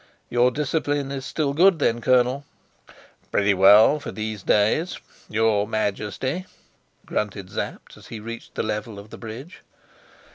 "Your discipline is still good, then, Colonel?" "Pretty well for these days, your Majesty," grunted Sapt, as he reached the level of the bridge.